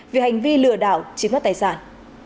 vì hành vi lừa đảo chiếm đất tài sản